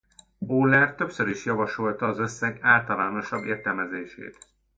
Euler többször is javasolta az összeg általánosabb értelmezését.